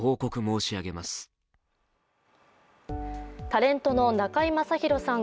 タレントの中居正広さん